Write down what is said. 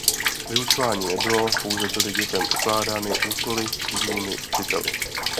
Vyučování nebylo, pouze byly dětem ukládány úkoly třídními učiteli.